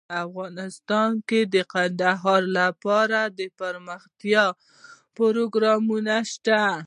افغانستان کې د کندهار لپاره دپرمختیا پروګرامونه شته.